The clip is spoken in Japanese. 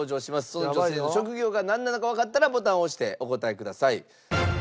その女性の職業がなんなのかわかったらボタンを押してお答えください。